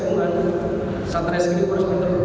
terdapat tiga dispenser bbm jenis pertalat yang mengandung